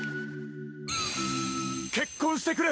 結婚してくれ！